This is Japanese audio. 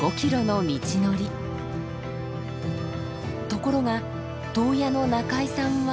ところが頭屋の中井さんは。